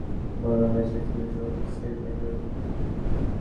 মাত্র কিছুদিন আগে স্পষ্ট ভাষায় কথা বলেছেন ফিফা সভাপতি সেপ ব্ল্যাটারের বিরুদ্ধেও।